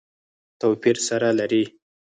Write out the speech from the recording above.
توپیر سره لري.